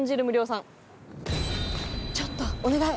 ちょっとお願い！